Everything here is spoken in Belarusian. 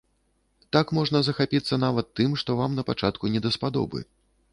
Так можна захапіцца нават тым, што вам напачатку не даспадобы.